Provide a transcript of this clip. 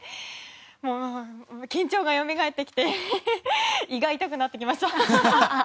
もう緊張がよみがえってきて胃が痛くなってきました。